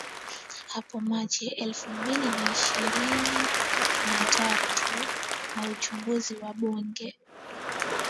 hapo Machi elfu mbili na ishirin na tatu na uchaguzi wa bunge